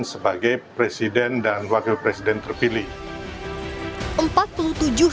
dan sebagai presiden dan wakil presiden terpilih